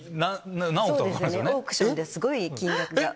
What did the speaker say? オークションですごい金額が。